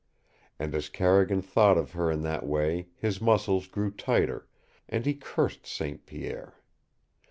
And as Carrigan thought of her in that way his muscles grew tighter, and he cursed St. Pierre.